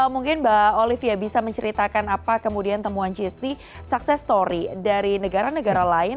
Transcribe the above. mungkin mbak olivia bisa menceritakan apa kemudian temuan gsd sukses story dari negara negara lain